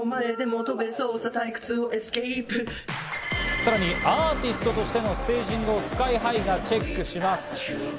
さらにアーティストとしてのステージングをＳＫＹ−ＨＩがチェックします。